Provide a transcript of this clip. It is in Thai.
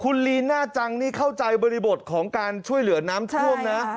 คุณลีน่าจังนี่เข้าใจบริบทของการช่วยเหลือน้ำท่วมนะ